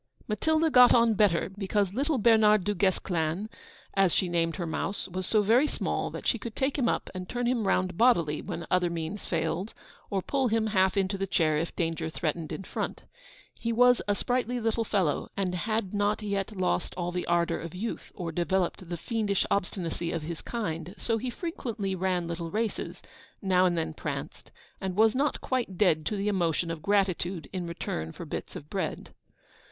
Matilda got on better, because little Bernard Du Guesclin, as she named her mouse, was so very small, that she could take him up, and turn him round bodily, when other means failed, or pull him half into the chair if danger threatened in front. He was a sprightly little fellow, and had not yet lost all the ardour of youth, or developed the fiendish obstinacy of his kind; so he frequently ran little races now and then pranced, and was not quite dead to the emotion of gratitude in return for bits of bread.